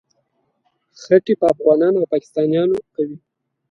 خټې په افغانانو او پاکستانیانو کوي.